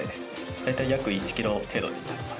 大体約１キロ程度になります。